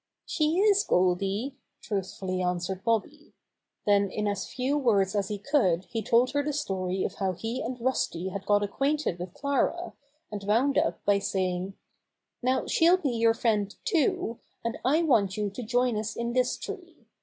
"She is, Goldy," truthfully answered Bobby. Then in as few words as he could he told her the story of how he and Rusty had got ac quainted with Clara, and wound up by saying: "Now, she'll be your friend, too, and I want you to join us in this tree.